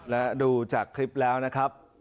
และดูจากคลิปแล้วนะครับ